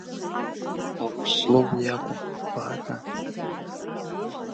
Аус злоу уи акәым, баатәа.